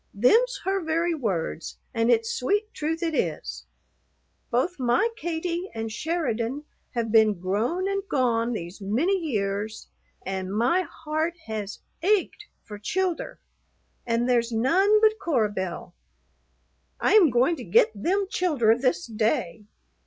Them's her very words, and it's sweet truth it is. Both my Katie and Sheridan have been grown and gone these many years and my heart has ached for childher, and there's none but Cora Belle. I am goin' to get them childher this day.